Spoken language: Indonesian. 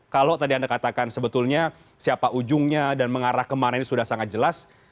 kalau tadi anda katakan sebetulnya siapa ujungnya dan mengarah kemana ini sudah sangat jelas